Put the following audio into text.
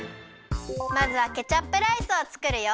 まずはケチャップライスをつくるよ。